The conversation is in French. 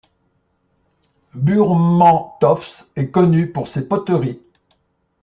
Burmantofts est connue pour ses poteries.